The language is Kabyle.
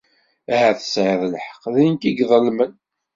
Ahat tesεiḍ lḥeqq, d nekk i iḍelmen.